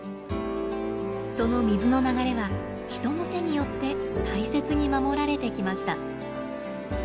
その水の流れは人の手によって大切に守られてきました。